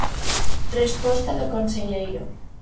Resposta do conselleiro.